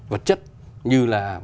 vật chất như là